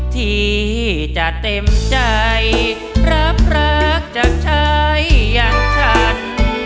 ที่จะเต็มใจรับรักจากชายอย่างฉัน